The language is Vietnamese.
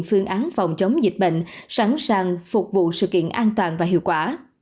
phương án phòng chống dịch bệnh sẵn sàng phục vụ sự kiện an toàn và hiệu quả